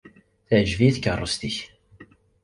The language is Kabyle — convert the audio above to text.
Teεǧeb-iyi tkerrust-ik.